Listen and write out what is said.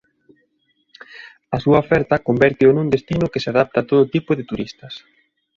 A súa oferta convérteo nun destino que se adapta a todo tipo de turistas.